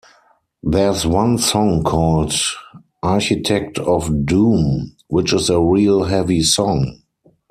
There's one song called 'Architect of Doom', which is a real heavy song.